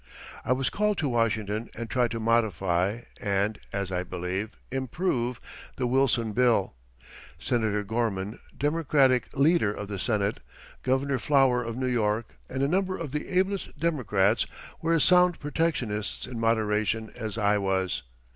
I was called to Washington, and tried to modify and, as I believe, improve, the Wilson Bill. Senator Gorman, Democratic leader of the Senate, Governor Flower of New York, and a number of the ablest Democrats were as sound protectionists in moderation as I was.